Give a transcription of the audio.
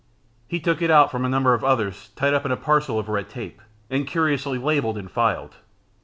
He took it out from a number of others tied up in a parcel of red tape, and curiously labelled and filed.